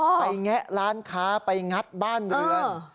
แงะร้านค้าไปงัดบ้านเรือน